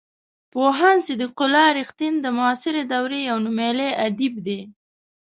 پوهاند صدیق الله رښتین د معاصرې دورې یو نومیالی ادیب دی.